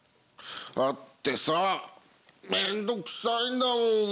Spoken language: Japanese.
だってさ面倒くさいんだもん。